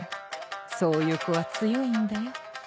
そういう子は強いんだよ。